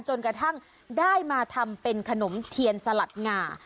จนกระทั่งได้มาทำเป็นขนมเทียนสลัดหงา